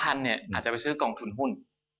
อาจจะไปซื้อกองทุนหุ้น